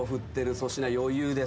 粗品余裕です。